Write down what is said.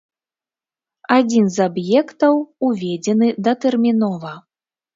Адзін з аб'ектаў уведзены датэрмінова.